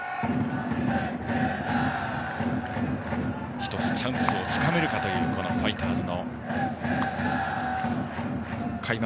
１つチャンスをつかめるかというファイターズの開幕